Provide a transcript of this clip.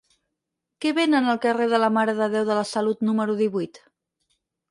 Què venen al carrer de la Mare de Déu de la Salut número divuit?